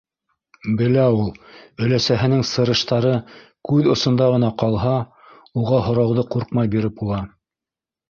Белә ул: өләсәһенең сырыштары күҙ осонда ғына ҡалһа, уға һорауҙы ҡурҡмай биреп була.